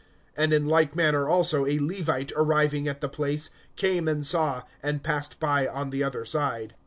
(32)And in like manner also a Levite, arriving at the place, came and saw, and passed by on the other side.